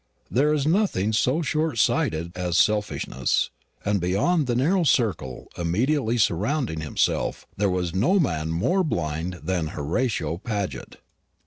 There is nothing so short sighted as selfishness; and beyond the narrow circle immediately surrounding himself, there was no man more blind than Horatio Paget.